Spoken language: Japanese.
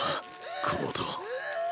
この音。